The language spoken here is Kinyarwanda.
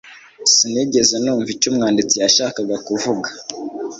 sinigeze numva icyo umwanditsi yashakaga kuvuga